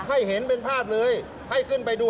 ให้เห็นเป็นภาพเลยให้ขึ้นไปดู